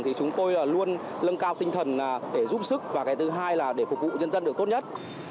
thì chúng tôi luôn lân cao tinh thần để giúp sức và cái thứ hai là để phục vụ nhân dân được tốt nhất